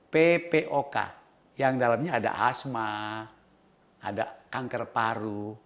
p p o k yang dalamnya ada asma ada kanker paru